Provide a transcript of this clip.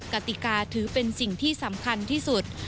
กติกาถือเป็นสิ่งที่สำคัญที่สุด